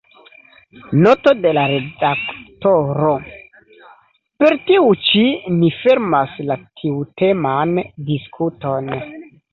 Noto de la redaktoro: Per tiu ĉi ni fermas la tiuteman diskuton.